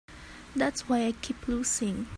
That's why I keep losing.